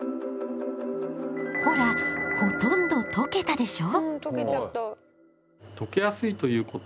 ほらほとんど溶けたでしょ。